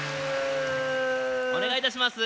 お願いいたします